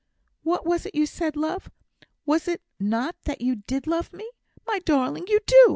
"What was it you said, love? Was it not that you did love me? My darling, you do!